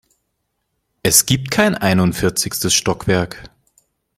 Es gibt kein einundvierzigstes Stockwerk.